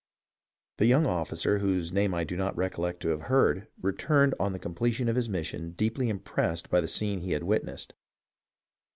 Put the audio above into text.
" The young officer, whose name I do not recollect to have heard, returned on the completion of his mission deeply impressed by the scene he had witnessed.